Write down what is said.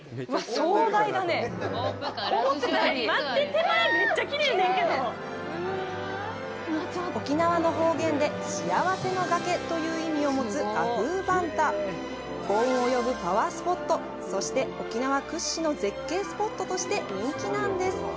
壮大だね思ってたより沖縄の方言で「幸せの崖」という意味を持つ果報バンタ幸運を呼ぶパワースポットそして沖縄屈指の絶景スポットとして人気なんです